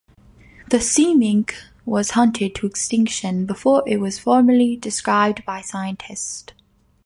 The sea mink was hunted to extinction before it was formally described by scientists.